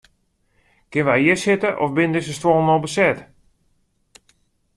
Kinne wy hjir sitte of binne dizze stuollen al beset?